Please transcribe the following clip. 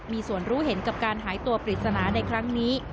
มีส่วนรู้เห็นกับการหายตัวปริศนาในครั้งนี้